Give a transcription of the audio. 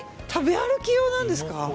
食べ歩き用なんですか？